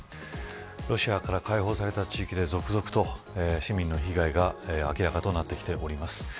ロシアから解放された地域で続々と市民の被害が明らかとなってきております。